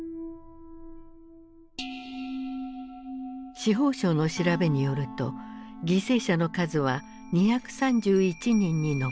司法省の調べによると犠牲者の数は２３１人に上った。